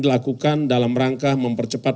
dilakukan dalam rangka mempercepat